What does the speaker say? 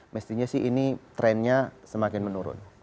mestinya sih ini trennya semakin menurun